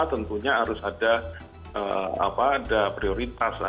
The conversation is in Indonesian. tentunya harus ada prioritas